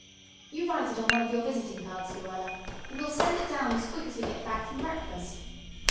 You write it on one of your visiting cards, Luella, and we'll send it down as quick as we get back from breakfast.